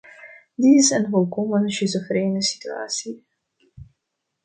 Dit is een volkomen schizofrene situatie.